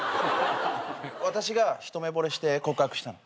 私が一目ぼれして告白したの。